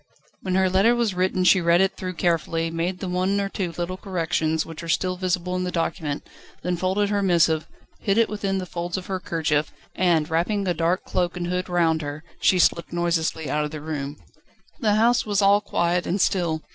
_*/ When her letter was written she read it through carefully, made the one or two little corrections, which are still visible in the document, then folded her missive, hid it within the folds of her kerchief, and, wrapping a dark cloak and hood round her, she slipped noiselessly out of her room. The house was all quiet and still.